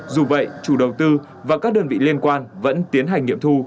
dù vậy chủ đầu tư và các đơn vị liên quan vẫn tiến hành nghiệm thu